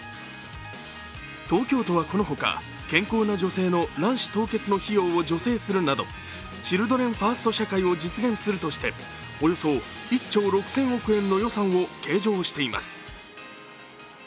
東京都はこの他健康な女性の卵子凍結の費用を助成するなどチルドレンファースト社会を実現するとして、およそ１兆６０００億円の予算を計上しています。